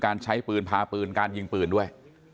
การใช้ปืนพาปืนการยิงปืนด้วย